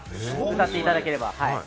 歌っていただければ。